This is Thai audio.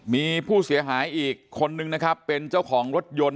มีผู้เสียหายอีกคนนึงนะครับเป็นเจ้าของรถยนต์